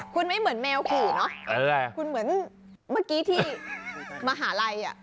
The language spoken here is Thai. คุณไม่เหมือนแมวขี่เนอะคุณเหมือนเมื่อกี้ที่มหาลัยอ่ะ